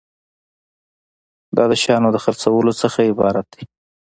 دا د شیانو د خرڅولو څخه عبارت دی.